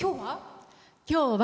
今日は？